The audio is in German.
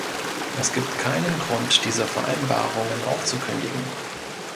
Es gibt keinen Grund, diese Vereinbarungen aufzukündigen.